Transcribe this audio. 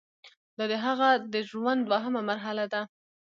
دا د هغه د ژوند دوهمه مرحله ده.